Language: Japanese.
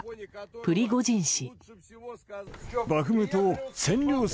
プリゴジン氏。